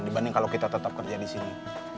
dibanding kalau kita tetap kerja di sini